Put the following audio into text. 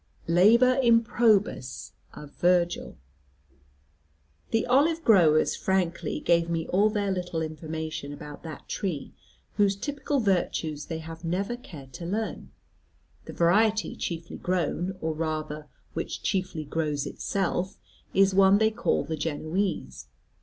[#] "Labor improbus" of Virgil. The olive growers frankly gave me all their little information about that tree whose typical virtues they have never cared to learn. The variety chiefly grown, or rather which chiefly grows itself, is one they call the Genoese.